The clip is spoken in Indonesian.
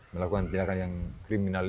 melakukan tindakan yang kriminal